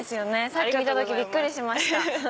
さっき見た時びっくりしました。